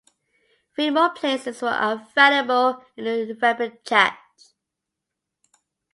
Three more places were available in the repechage.